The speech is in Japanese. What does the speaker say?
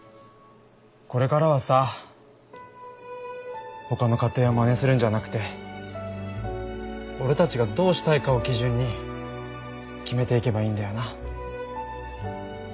これからはさ他の家庭をまねするんじゃなくて俺たちがどうしたいかを基準に決めていけばいいんだよな。